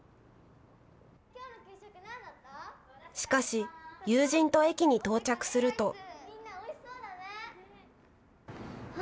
しかし友人と駅に到着すると。